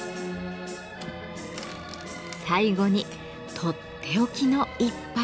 最後にとっておきの一杯。